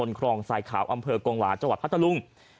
บรรคลองสายขาวอำเภอกรงหวาจพัทรลุง